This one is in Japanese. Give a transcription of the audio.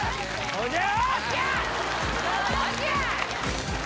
おじゃ！